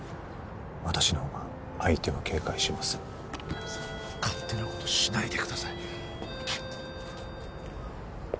私の方が相手は警戒しません皆実さん勝手なことしないでください